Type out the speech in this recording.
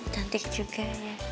cantik juga ya